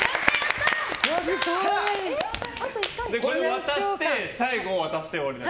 渡して、最後渡して終わりだ。